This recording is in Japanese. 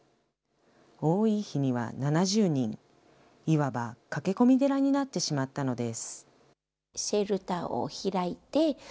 多い日には７０人、いわば駆け込み寺になってしまったのです。